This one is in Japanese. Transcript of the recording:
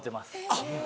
あっ。